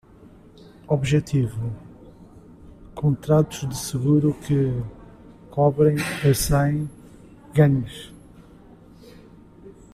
Objetivo: contratos de seguro que cobrem as cem gangues.